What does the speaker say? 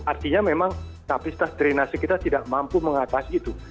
artinya memang kapasitas drenase kita tidak mampu mengatasi itu